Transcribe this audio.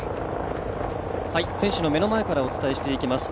選手の目の前からお伝えしていきます。